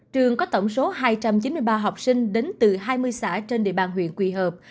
trường có tổng số hai trăm chín mươi ba học sinh đến từ hai mươi xã trên địa bàn huyện quỳ hợp